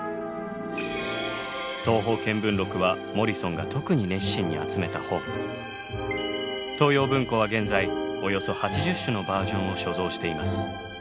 「東方見聞録」はモリソンが東洋文庫は現在およそ８０種のバージョンを所蔵しています。